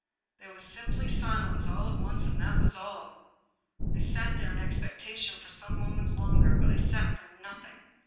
There was simply silence all at once, and that was all. I sat there in expectation for some mo ments longer. But I sat for nothing.